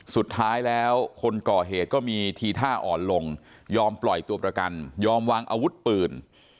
สุดท้ายแล้วคนก่อเหตุก็มีทีท่าอ่อนลงยอมปล่อยตัวประกันยอมวางอาวุธปืน